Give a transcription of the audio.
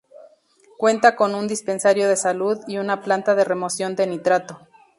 Cuenta con un dispensario de salud, y una planta de remoción de nitrato.